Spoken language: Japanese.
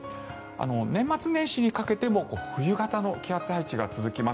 年末年始にかけても冬型の気圧配置が続きます。